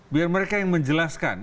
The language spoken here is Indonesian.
biar mereka yang menjelaskan